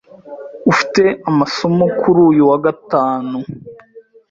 Ufite amasomo kuri uyu wa gatanu?